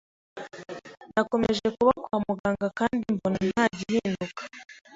nakomeje kuba kwa muganga kandi mbona nta gihinduka